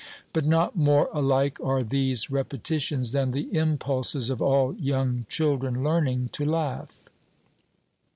But not more alike are these repetitions than the impulses of all young children learning to laugh.